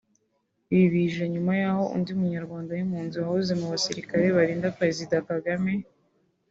Ibi bije nyuma y’aho undi munyarwanda w’impunzi wahoze mu basirikare barinda Perezida Kagame